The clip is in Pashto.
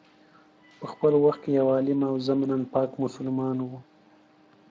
په خپل وخت کي یو عالم او ضمناً پاک مسلمان وو.